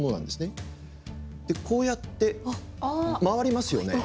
こうやって回りますよね。